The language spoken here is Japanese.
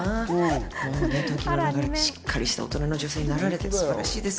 しっかりした大人の女性になられて素晴らしいです。